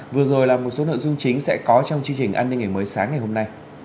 vừa rồi là một số nội dung chính sẽ có trong chương trình an ninh ngày mới sáng ngày hôm nay